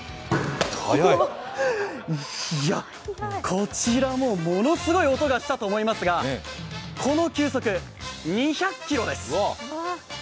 こちらもものすごい音がしたと思いますがこの球速２００キロです。